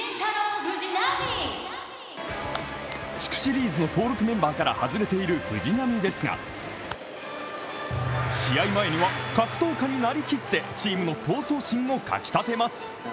地区シリーズの登録メンバーから外れている藤浪ですが、試合前には格闘家になりきってチームの闘争心をかき立てます。